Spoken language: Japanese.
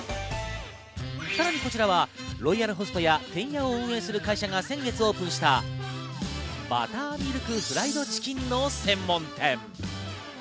さらにこちらはロイヤルホストや、てんやを運営する会社が先月オープンしたバターミルクフライドチキンの専門店。